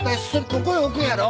ここへ置くんやろ。